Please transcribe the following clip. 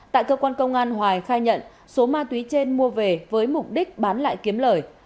tại cơ quan công an hoài khai nhận số ma túy trên mua về với mục đích bán lại kiếm lời